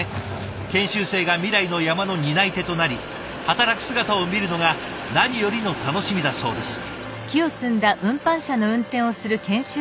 研修生が未来の山の担い手となり働く姿を見るのが何よりの楽しみだそうです。